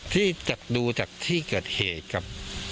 ที่ดูจากที่เกิดเหตุกับ